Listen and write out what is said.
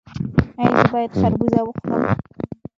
ایا زه باید خربوزه وخورم؟